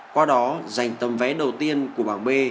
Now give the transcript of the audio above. qua đó giành tấm vé đầu tiên của bảng b